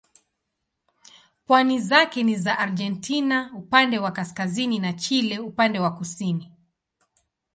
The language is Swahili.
Pwani zake ni za Argentina upande wa kaskazini na Chile upande wa kusini.